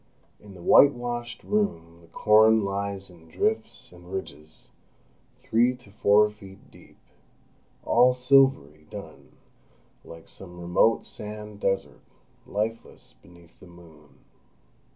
In the whitewashed room the corn lies in drifts and ridges, three to four feet deep, all silvery dun, like some remote sand desert, lifeless beneath the moon.